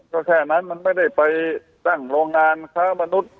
ก็แค่นั้นมันไม่ได้ไปตั้งโรงงานค้ามนุษย์